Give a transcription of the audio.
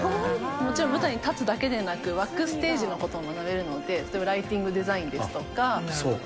もちろん、舞台に立つだけでなく、バックステージのことも学べるので、例えばライティングデそうか。